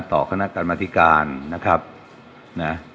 ต่อคณะการมาตริการนะครับนะ